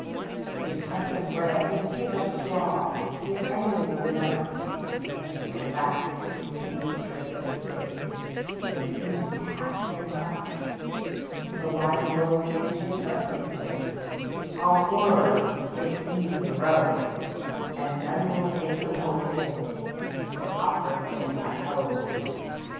His crust of bread, his tick of straw His enemies deny, And at the last his patron saint Will even pass him by; The wide world is his resting place, All o'er it he may roam, And none will take the poet in, Or offer him a home.